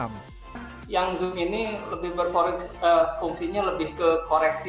yang zoom ini fungsinya lebih ke koreksi ya ada koreksi